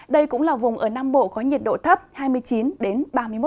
đây cũng là vùng ở nam bộ có nhiệt độ thấp hai mươi chín ba mươi một độ